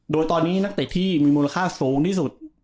โดยตอนนี้นักเตะที่มีมูลค่าสูงที่สุด